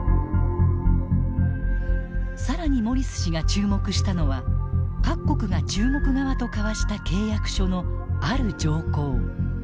更にモリス氏が注目したのは各国が中国側と交わした契約書のある条項。